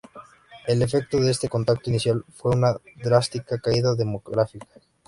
El efecto de este contacto inicial fue una drástica caída demográfica.